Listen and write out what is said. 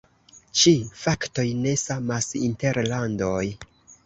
Ĉi faktoj ne samas inter landoj.